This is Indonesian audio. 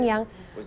yang berada di sana